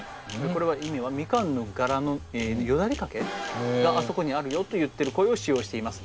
これは意味は「みかんの柄のよだれかけがあそこにあるよ」と言っている声を使用しています。